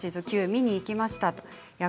「Ｑ」見に行きました。